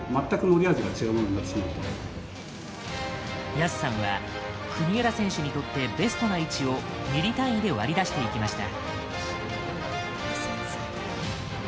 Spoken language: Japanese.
安さんは、国枝選手にとってベストな位置をミリ単位で割り出していきました。